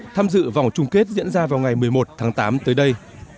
tham dự vòng chung kết diễn ra vào ngày một mươi một tháng tám tới đây